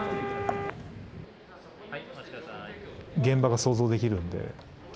現場が想像できるんで。